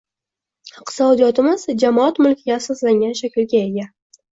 Iqtisodiyotimiz jamoat mulkiga asoslangan shaklga ega.